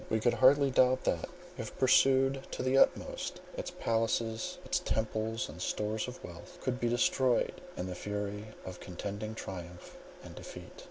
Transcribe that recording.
We could hardly doubt that, if pursued to the utmost, its palaces, its temples and store of wealth would be destroyed in the fury of contending triumph and defeat.